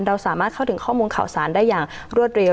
เราสามารถเข้าถึงข้อมูลข่าวสารได้อย่างรวดเร็ว